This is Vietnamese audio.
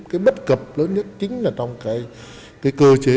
cái bất cập lớn nhất chính là trong cái cơ chế